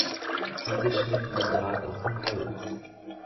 Diese schnitten den Draht aus dem Holz.